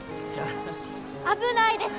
危ないです！